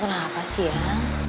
kamu kenapa sih